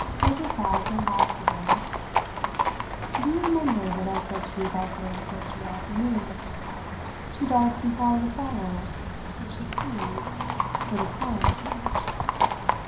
Obert's eyes went back to them. "Do you remember what I said to you about her yesterday afternoon? She darts from flower to flower, but she clings, for the time, to each.